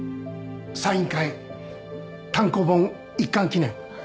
サイン会単行本一巻記念